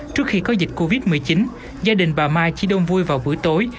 trước khi có dịch covid một mươi chín gia đình bà mai chỉ đông vui vào buổi tối